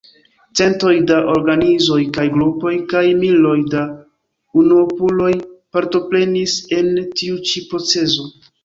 Centoj da organizoj kaj grupoj kaj miloj da unuopuloj partoprenis en tiu ĉi procezo.